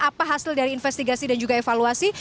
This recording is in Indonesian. apa hasil dari investigasi dan juga evaluasi